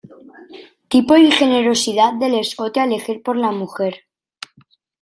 Tipo y generosidad del escote a elegir por la mujer.